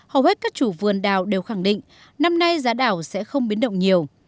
hầu hết các chủ vườn đào đều khẳng định năm nay giá đảo sẽ không biến động nhiều